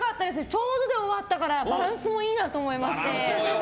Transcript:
ちょうどで終わったからバランスもいいなと思って。